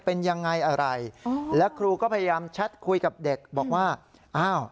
เป็นยังไงอะไรอืมแล้วครูก็พยายามแชทคุยกับเด็กบอกว่าอ้าว